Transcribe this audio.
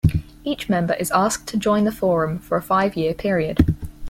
Each member is asked to join the forum for a five-year period.